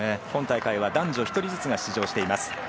今大会男女１人ずつ出場しています。